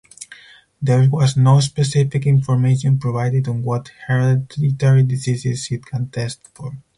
There was no specific information provided on what hereditary diseases it can test for.